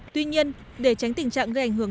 tuy nhiên để tránh tình trạng gây ảnh hưởng